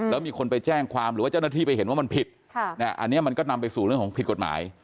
แล้วมีคนไปแจ้งความหรือว่าเจ้าหน้าที่ไปเห็นว่ามันผิดอันนี้มันก็นำไปสู่เรื่องของผิดกฎหมาย